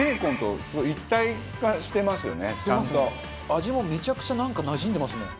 味もめちゃくちゃなんかなじんでますもん。